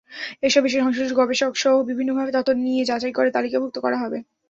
এসব বিষয়ে সংশ্লিষ্ট গবেষকসহ বিভিন্নভাবে তথ্য নিয়ে যাচাই করে তালিকাভুক্ত করা হবে।